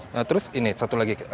nah terus ini satu lagi